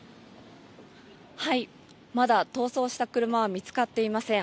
まだ逃走した車は見つかっていません。